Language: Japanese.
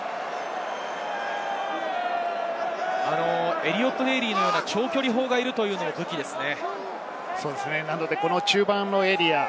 エリオット・デイリーの長距離砲がいるというのも武器ですよね。